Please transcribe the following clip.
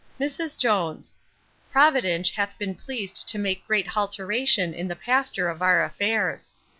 MRS JONES, Providinch hath bin pleased to make great halteration in the pasture of our affairs.